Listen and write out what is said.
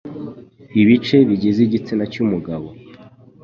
Ibice bigize igitsina cy'umugabo